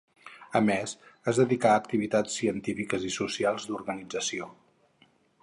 A més, es dedicà a activitats científiques i socials d'organització.